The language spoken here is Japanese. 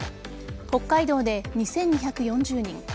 北海道で２２４０人